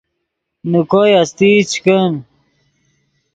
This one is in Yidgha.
نے کوئے استئی چے کن